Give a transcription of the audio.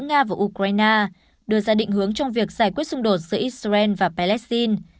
nga và ukraine đưa ra định hướng trong việc giải quyết xung đột giữa israel và palestine